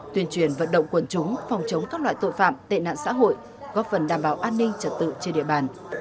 tuyên truyền vận động quần chúng phòng chống các loại tội phạm tệ nạn xã hội góp phần đảm bảo an ninh trật tự trên địa bàn